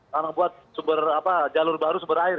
karena buat jalur baru sumber air